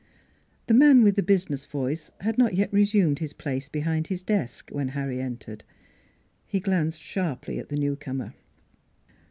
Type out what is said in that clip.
The man with the business voice had not yet resumed his place behind his desk when Harry entered. He glanced sharply at the newcomer.